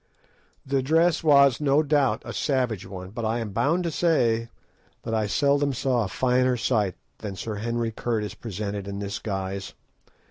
The dress was, no doubt, a savage one, but I am bound to say that I seldom saw a finer sight than Sir Henry Curtis presented in this guise.